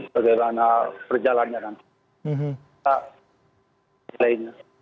bagaimana perjalannya nanti